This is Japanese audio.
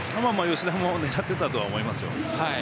吉田も狙っていたと思います。